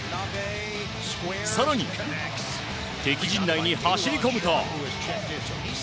更に敵陣内に走り込むと。